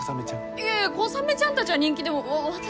いやいやコサメちゃんたちは人気でも私。